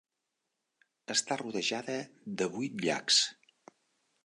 Està rodejada de vuit llacs.